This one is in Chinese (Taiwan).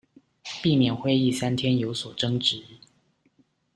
避免會議三天有所爭執